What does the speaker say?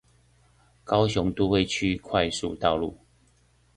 高雄都會區快速道路